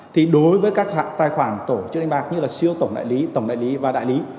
thì đối với các tài khoản tổ chức đánh bạc như là siêu tổng đại lý tổng đại lý và đại lý